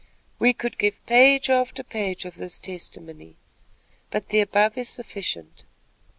We could give page after page of this testimony; but the above is sufficient.